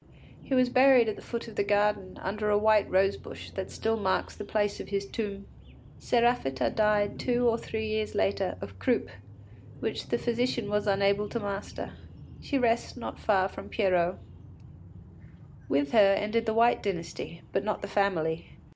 He was buried at the foot of the garden, under a white rosebush that still marks the place of his tomb. Séraphita died two or three years later, of croup, which the physician was unable to master. She rests not far from Pierrot. With her ended the White Dynasty, but not the family.